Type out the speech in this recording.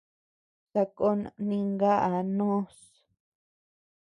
Sakón ninkaʼa noos.